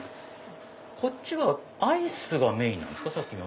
こっちはアイスがメインなんですか？